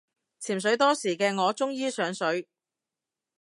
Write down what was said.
潛水多時嘅我終於上水